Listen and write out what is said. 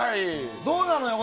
どうなのよ？